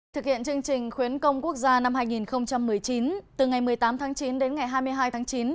thực hiện chương trình khuyến công quốc gia năm hai nghìn một mươi chín từ ngày một mươi tám tháng chín đến ngày hai mươi hai tháng chín